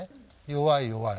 弱い弱い。